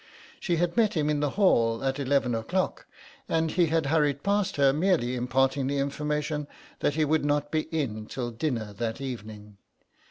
She had met him in the hall at eleven o'clock, and he had hurried past her, merely imparting the information that he would not be in till dinner that evening.